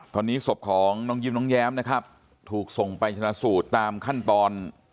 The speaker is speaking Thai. ตอนนี้ศพของน้องยิ้มน้องแย้มนะครับถูกส่งไปชนะสูตรตามขั้นตอน